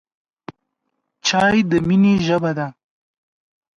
چای د مینې ژبه ده.